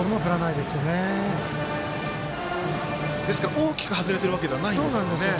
大きく外れているわけではないんですけどね。